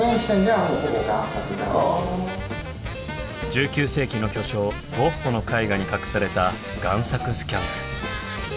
１９世紀の巨匠ゴッホの絵画に隠された贋作スキャンダル。